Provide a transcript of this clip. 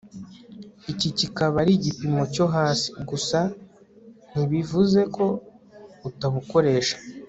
iki kikaba ari igipimo cyo hasi. gusa ntibivuze ko utabukoresha